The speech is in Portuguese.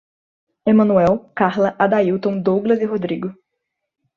Emanoel, Carla, Adaílton, Douglas e Rodrigo